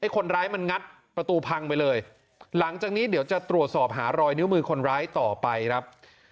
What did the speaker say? คนร้ายมันงัดประตูพังไปเลยหลังจากนี้เดี๋ยวจะตรวจสอบหารอยนิ้วมือคนร้ายต่อไปครับ